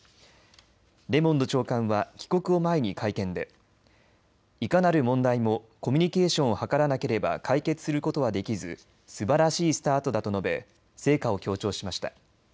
レモンド長官は帰国を前に会見でいかなる問題もコミュニケーションを図らなければ解決することはできずすばらしいスタートだと述べ成果を強調しました。